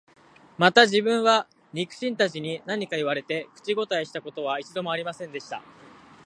また自分は、肉親たちに何か言われて、口応えした事は一度も有りませんでした